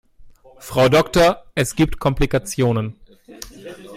Frau Doktor, es gibt Komplikationen.